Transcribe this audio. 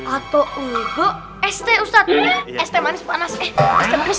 atau enggak es teh ustadz es teh manis panas eh es teh manis